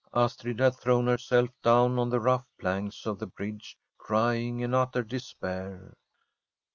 Astrid had thrown herself down on the rough planks of the bridge, crying in utter despair.